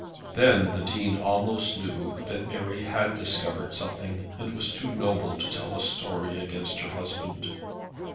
Then the Dean almost knew that Mary had discovered something, and was too noble to tell a story against her husband.